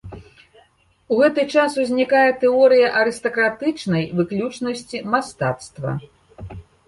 У гэты час узнікае тэорыя арыстакратычнай выключнасці мастацтва.